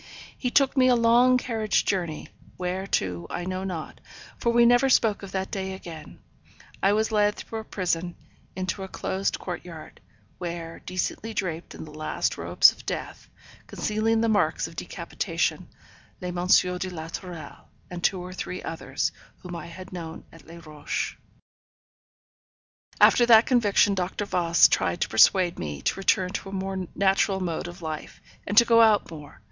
He took me a long carriage journey, where to I know not, for we never spoke of that day again; I was led through a prison, into a closed court yard, where, decently draped in the last robes of death, concealing the marks of decapitation, lay M. de la Tourelle, and two or three others, whom I had known at Les Rochers. After that conviction Dr. Voss tried to persuade me to return to a more natural mode of life, and to go out more.